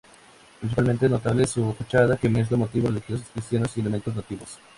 Principalmente es notable su fachada que mezcla motivos religiosos cristianos y elementos nativos.